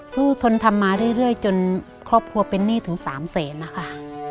ทนทำมาเรื่อยจนครอบครัวเป็นหนี้ถึง๓แสนนะคะ